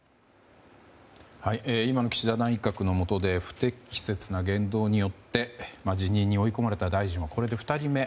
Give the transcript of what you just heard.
今の岸田内閣のもとで不適切な言動によって辞任に追い込まれた大臣はこれで２人目。